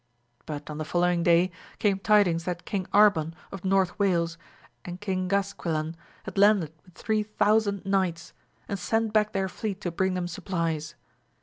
But on the following day came tidings that King Arban, of North Wales, and King Gasquilan had landed with three thousand knights, and sent back their fleet to bring them supplies.